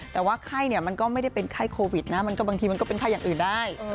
แต่ว่าไข้มันก็ไม่ได้เป็นไข้โควิดนะบางทีมันก็เป็นไข้อย่างอื่นได้